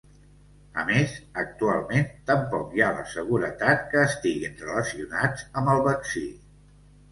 A més, actualment, tampoc hi ha la seguretat que estiguin relacionats amb el vaccí.